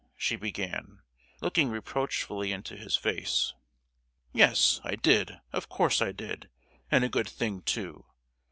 she began, looking reproachfully into his face. "Yes I did, of course I did; and a good thing too!